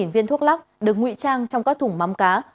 hai mươi viên thuốc lắc được ngụy trang trong các thùng mắm cá